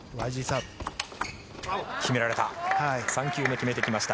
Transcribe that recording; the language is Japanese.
決められた。